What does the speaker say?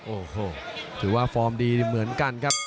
โอ้โหถือว่าฟอร์มดีเหมือนกันครับ